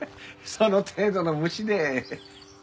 その程度の虫で。